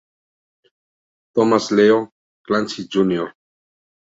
Thomas Leo Clancy Jr.